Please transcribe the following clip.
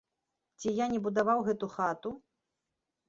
Ці я не будаваў гэту хату?